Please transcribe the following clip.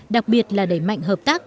đặc biệt là đẩy mạnh hợp tác